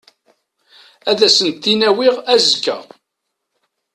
Ad asent-tent-in-awiɣ azekka.